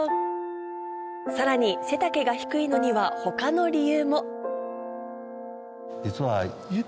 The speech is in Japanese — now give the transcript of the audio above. さらに背丈が低いのには他の理由も実は。